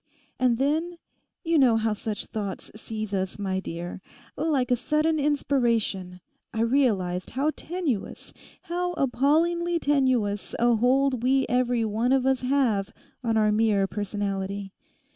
And then—you know how such thoughts seize us, my dear—like a sudden inspiration, I realised how tenuous, how appallingly tenuous a hold we every one of us have on our mere personality.